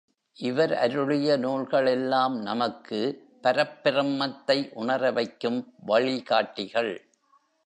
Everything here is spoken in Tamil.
இவர் அருளிய நூல்கள் எல்லாம் நமக்கு, பரப்பிரம்மத்தை உணரவைக்கும் வழிகாட்டிகள்.